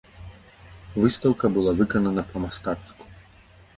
Выстаўка была выканана па-мастацку.